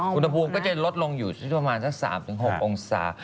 อุณหภูมิก็จะลดลงอยู่ที่ประมาณสัก๓๖องศา